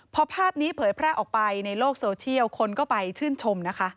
พอภาพนี้เผยแพร่ออกไปในโลกโซเชียลคนก็ไปชื่นชมนะคะ